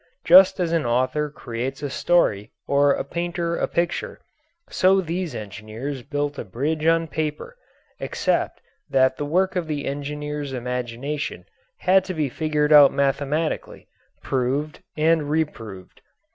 Just as an author creates a story or a painter a picture, so these engineers built a bridge on paper, except that the work of the engineers' imagination had to be figured out mathematically, proved, and reproved.